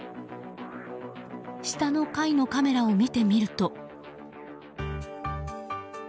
下の階のカメラを見てみると。